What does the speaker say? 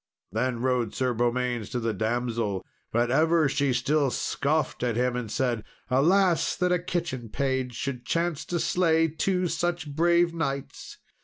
Then rode Sir Beaumains to the damsel, but ever she still scoffed at him, and said, "Alas! that a kitchen page should chance to slay two such brave knights!